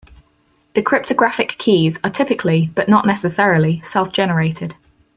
The cryptographic keys are typically, but not necessarily, self-generated.